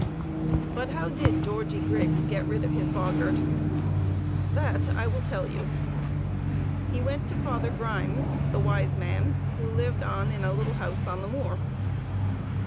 But how did Georgie Griggs get rid of his boggart ? That I will tell you. He went to Father Grimes, the wise man, who lived on in a little house on the moor.